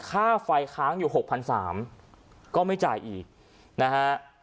ค่าไฟค้างอยู่๖๓๐๐ก็ไม่จ่ายอีกนะฮะ